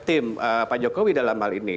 tim pak jokowi dalam hal ini